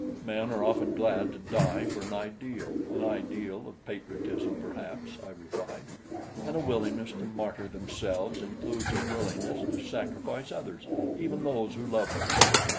"Men are often glad to die for an ideal an ideal of patriotism, perhaps," I replied; "and a willingness to martyr themselves includes a willingness to sacrifice others, even those who love them.